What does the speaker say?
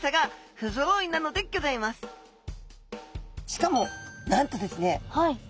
しかもなんとですね